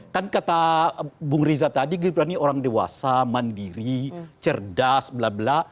kan kata bung riza tadi gibran ini orang dewasa mandiri cerdas bla bla